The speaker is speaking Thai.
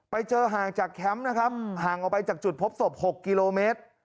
ไปเจอห่างจากแคมป์นะครับห่างออกไปจากจุดพบศพ๖กิโลเมตร